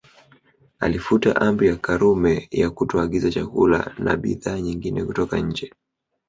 Alifuta Amri ya Karume ya kutoagiza chakula na bidhaa nyingine kutoka nje